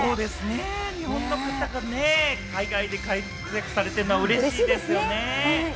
日本の方がね、海外で活躍されているのは嬉しいですよね。